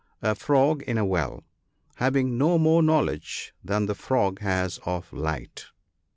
A frog in a well. — Having no more knowledge than the frog has of light.